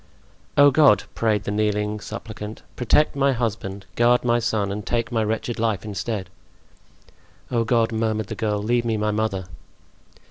"Oh, God!" prayed the kneeling suppliant, "protect my husband, guard my son, and take my wretched life instead!" "Oh, God!" murmured the girl, "leave me my mother!"